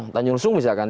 tanjung lusung misalkan